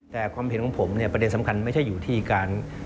แต่ความเห็นของผมเนี่ยประเด็นสำคัญไม่ใช่อยู่ที่การ